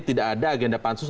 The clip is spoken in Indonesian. tidak ada agenda pansus